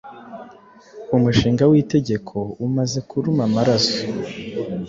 Umushinga witegeko umaze kuruma amaraso-